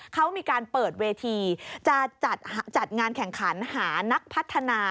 เขามีการเปิดเวทีจะจัดงานแข่งขันหานักพัฒนา